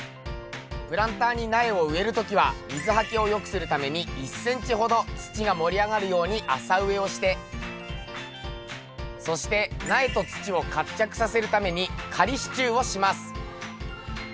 プランターに苗を植える時は水はけをよくするために１ｃｍほど土が盛り上がるように浅植えをしてそして苗と土を活着させるために仮支柱をします。